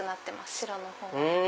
白のほうが。